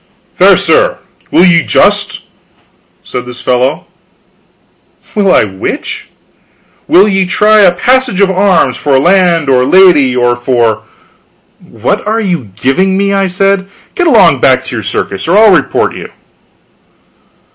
"Fair sir, will ye just?" said this fellow. "Will I which?" "Will ye try a passage of arms for land or lady or for " "What are you giving me?" I said. "Get along back to your circus, or I'll report you."